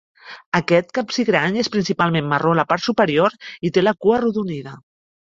Aquest capsigrany és principalment marró a la part superior i té la cua arrodonida.